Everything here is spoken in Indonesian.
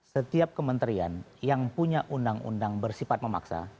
setiap kementerian yang punya undang undang bersifat memaksa